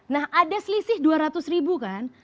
nah ada selisih rp dua ratus kan